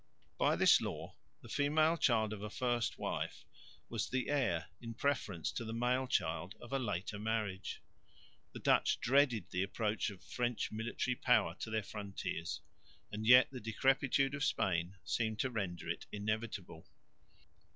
By this law the female child of a first wife was the heir in preference to the male child of a later marriage. The Dutch dreaded the approach of the French military power to their frontiers, and yet the decrepitude of Spain seemed to render it inevitable.